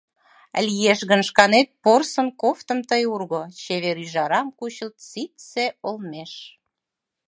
Лиеш гын, шканет порсын кофтым тый урго, Чевер ӱжарам кучылт ситце олмеш.